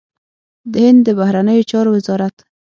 د هند د بهرنيو چارو وزارت